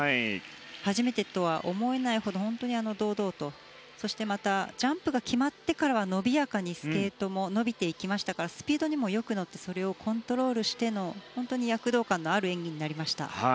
初めてとは思えないほど本当に堂々とそしてまたジャンプが決まってからは伸びやかにスケートも伸びていきましたからスピードにもよく乗ってそれをコントロールしての本当に躍動感のある演技になりました。